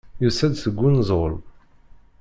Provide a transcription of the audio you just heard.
Yusa-d seg unẓul.